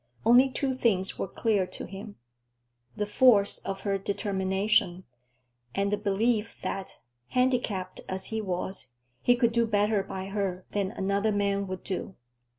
Only two things were clear to him: the force of her determination, and the belief that, handicapped as he was, he could do better by her than another man would do.